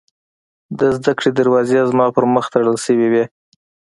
د زدکړې دروازې زما پر مخ تړل شوې وې